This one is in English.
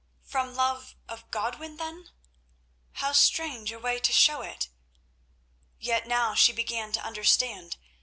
From love of Godwin then? How strange a way to show it! Yet now she began to understand.